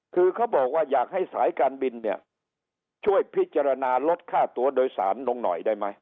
คือเขาบอกว่าอยากให้สายการบินเนี่ยช่วยพิจารณาลดค่าตัวโดยสารลงหน่อยได้ไหม